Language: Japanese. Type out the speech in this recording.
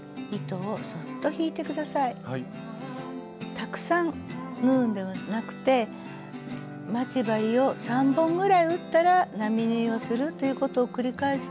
たくさん縫うんではなくて待ち針を３本ぐらい打ったら並縫いをするということを繰り返すと丁寧に縫っていきます。